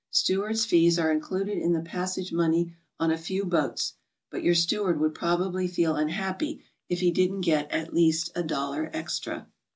Steward's fees are included in the passage money on a few boats, but your steward would probably feel unhappy if he didn't get at least a dollar extra.